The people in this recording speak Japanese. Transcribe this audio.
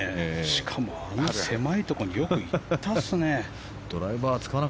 しかもあの狭いところによく行ったですね。